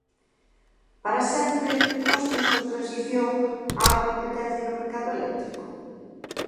¿Para sempre custos da transición á competencia no mercado eléctrico?